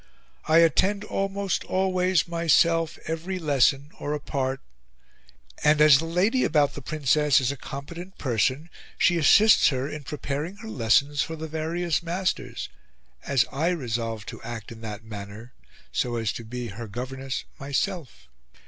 I attend almost always myself every lesson, or a part; and as the lady about the Princess is a competent person, she assists Her in preparing Her lessons, for the various masters, as I resolved to act in that manner so as to be Her Governess myself.